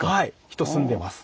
人住んでます。